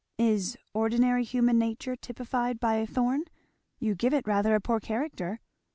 "Is 'ordinary human nature' typified by a thorn? You give it rather a poor character."